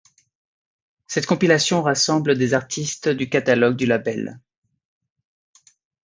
Cette compilation rassemble des artistes du catalogue du label.